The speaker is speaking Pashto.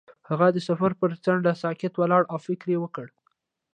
هغه د سفر پر څنډه ساکت ولاړ او فکر وکړ.